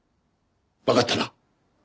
わかったな？